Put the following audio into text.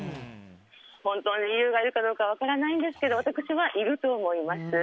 本当に龍がいるかどうかは分からないんですが私はいると思います。